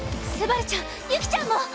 昴ちゃんユキちゃんも！